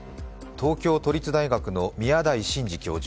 東京都立大学の宮台真司教授。